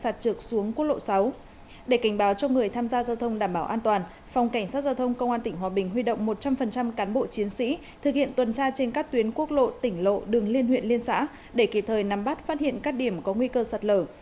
thực hiện tuần tra trên các tuyến quốc lộ tỉnh lộ đường liên huyện liên xã để kịp thời nắm bắt phát hiện các điểm có nguy cơ sạt lở